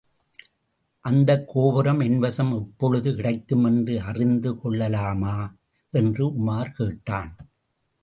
அந்தக் கோபுரம் என்வசம் எப்பொழுது கிடைக்குமென்று அறிந்து கொள்ளலாமா? என்று உமார் கேட்டான்.